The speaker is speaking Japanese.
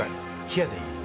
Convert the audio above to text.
冷やでいい。